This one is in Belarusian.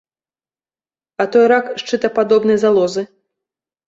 А той рак шчытападобнай залозы?